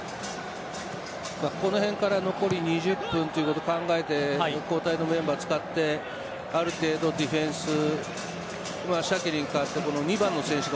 このへんから残り２０分ということを考えて交代のメンバーを使ってある程度ディフェンスはシャキリに代わって２番の選手が